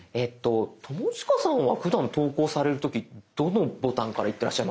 友近さんはふだん投稿される時どのボタンからいってらっしゃいますか？